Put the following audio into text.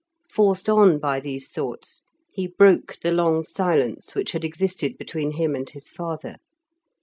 Forced on by these thoughts, he broke the long silence which had existed between him and his father.